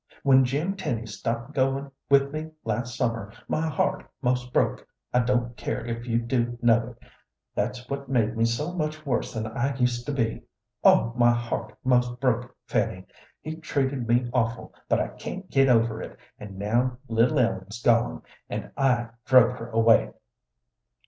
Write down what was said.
When Jim Tenny stopped goin' with me last summer, my heart 'most broke. I don't care if you do know it. That's what made me so much worse than I used to be. Oh, my heart 'most broke, Fanny! He's treated me awful, but I can't get over it; and now little Ellen's gone, and I drove her away!"